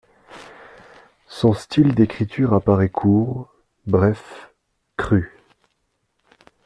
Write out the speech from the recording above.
Son style d'écriture apparaît court, bref, cru.